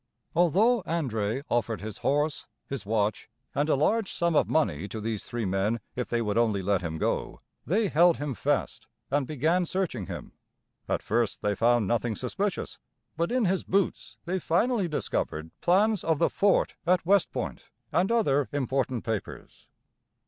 Although André offered his horse, his watch, and a large sum of money to these three men if they would only let him go, they held him fast and began searching him. At first they found nothing suspicious; but in his boots they finally discovered plans of the fort at West Point, and other important papers. [Illustration: André and his Captors.